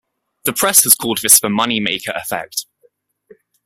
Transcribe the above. The press has called this the Moneymaker effect.